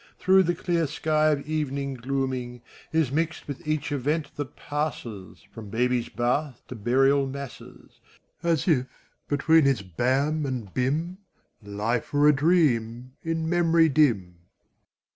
Through the clear sky of evening glooming, Is mixed with each event that passes, From baby's bath to burial masses. As if, between its ham and &tm. Life were a dream, in memory dim.